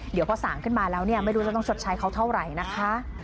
เดี๋ยวพอสั่งขึ้นมาแล้วเนี่ยไม่รู้จะต้องชดใช้เขาเท่าไหร่นะคะ